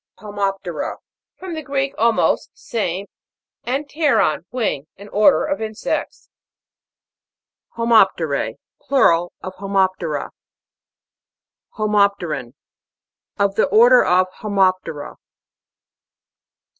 HOMOP'TERA. From the Greek, 'omos, same, and pteron, wing. An order of insects. HOMOP'TERA. Plural of Homop' tera. HOMOP'TERAN. Of the order Homop' tera.